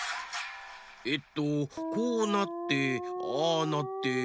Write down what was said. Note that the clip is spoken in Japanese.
えっとこうなってああなって。